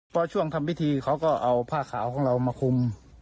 พอช่วงทำพิธีเขาก็เอาผ้าขาวของเรามาคุม